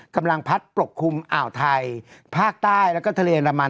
กำลังพัดปกคลุมอ่าวไทยภาคใต้แล้วก็ทะเลอรมัน